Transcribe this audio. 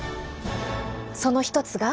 その一つが。